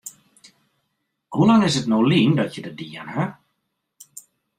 Hoe lang is it no lyn dat je dat dien ha?